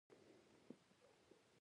قدرت په عامه معنا رابطه وه